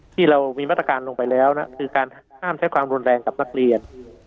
ที่เรามีมาตรการลงไปแล้วนะคือการห้ามใช้ความรุนแรงกับนักเรียน